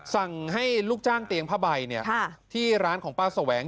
สั่งให้ลูกจ้างเตียงผ้าใบเนี่ยค่ะที่ร้านของป้าโสแหวง